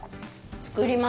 作ります。